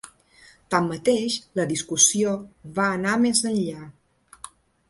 Tanmateix, la discussió va anar més enllà.